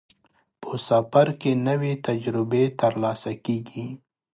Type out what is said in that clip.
په سفر کې نوې تجربې ترلاسه کېږي.